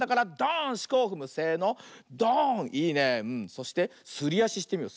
そしてすりあししてみよう。